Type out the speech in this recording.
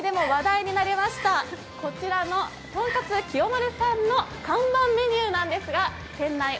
海外でも話題になりました、こちらのとんかつ清まるさんの看板メニューなんですが、店内、